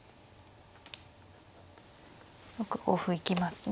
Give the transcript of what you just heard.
６五歩行きますね。